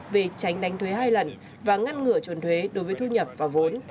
về tránh đánh thuế hai lần và ngăn ngửa chuồn thuế đối với thu nhập và vốn